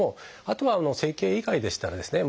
あとは整形以外でしたらですね